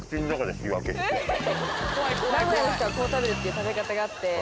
名古屋の人はこう食べるっていう食べ方があって。